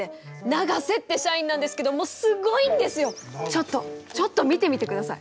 ちょっとちょっと見てみてください。